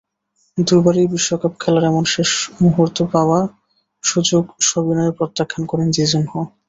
দুবারই বিশ্বকাপ খেলার এমন শেষ মুহূর্তে পাওয়া সুযোগ সবিনয়ে প্রত্যাখ্যান করেন জিজিনহো।